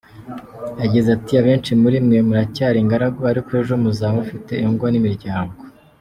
Yagize ati "Abenshi muri mwe muracyari ingaragu, ariko ejo muzaba mufite ingo n’imiryango.